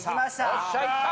よっしゃいった！